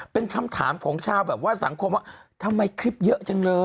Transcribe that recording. เป็นคำถามของชาวแบบว่าสังคมว่าทำไมคลิปเยอะจังเลย